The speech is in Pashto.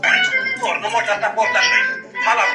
څه ډول خپل ځان ته د خوشحالۍ فرصتونه برابر کړو؟